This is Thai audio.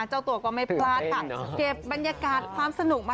เอาแค่ข้างหลังพอเนอะ